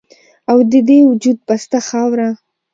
او د دې د وجود پسته خاوره